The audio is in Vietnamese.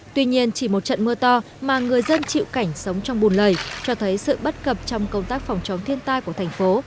tuy nhiên chỉ một trận mưa to mà người dân chịu cảnh sống trong bùn lầy cho thấy sự bất cập trong công tác phòng chống thiên tai của thành phố